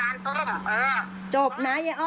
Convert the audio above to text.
ถ้าเราเคลียร์กันแล้วจบแล้วก็ไม่มีปัญหาอาจารย์ต้มเออ